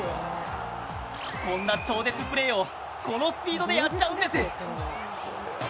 こんな超絶プレーをこのスピードでやっちゃうんです！